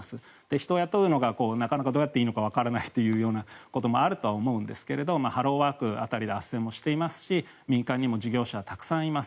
人を雇うのがなかなかどうやったらいいかわからないというのがあるとは思うんですがハローワーク辺りであっせんもしていますし民間にも事業者がたくさんいます。